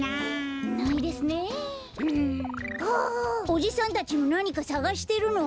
おじさんたちもなにかさがしてるの？